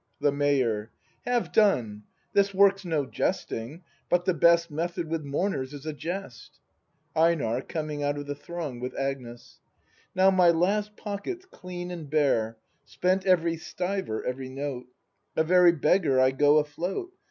The Mayor. Have done! This work's no jesting; but the best Method with mourners is a jest. EiNAR. [Coming out of the throng with Agnes.] Now my last pocket's clean and bare. Spent every stiver, every note; — A very beggar I go afloat.